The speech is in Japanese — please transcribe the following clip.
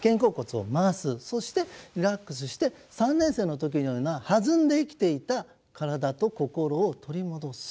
そしてリラックスして３年生の時のような弾んで生きていた体と心を取り戻す。